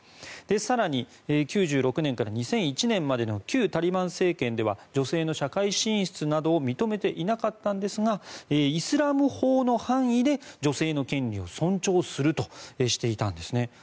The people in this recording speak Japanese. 更に９６年から２００１年までの旧タリバン政権では女性の社会進出などを認めていなかったんですがイスラム法の範囲で女性の権利を尊重するとしていたんですね。